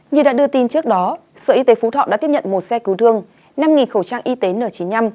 như đã đưa tin trước đó sở y tế phú thọ đã tiếp nhận một xe cứu thương năm khẩu trang y tế n chín mươi năm